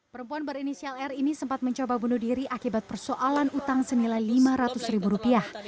perempuan berinisial r ini sempat mencoba bunuh diri akibat persoalan utang senilai lima ratus ribu rupiah